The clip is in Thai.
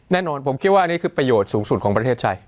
แน่นอนผมคิดว่าอันนี้คือประโยชน์สูงสุดของประเทศไทย